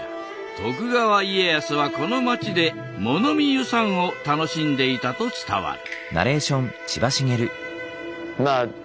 徳川家康はこの町で物見遊山を楽しんでいたと伝わる。